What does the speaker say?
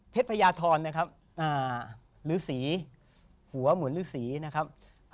แพทยาทรนะครับหัวเหมือนฤษีนะครับ